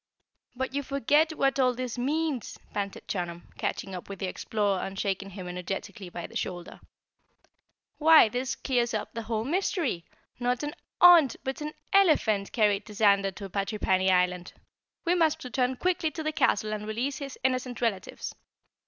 "But you forget what all this means!" panted Chunum, catching up with the Explorer and shaking him energetically by the shoulder. "Why, this clears up the whole mystery. Not an AUNT but an ELEPHant carried Tazander to Patrippany Island. We must return quickly to the castle and release his innocent relatives.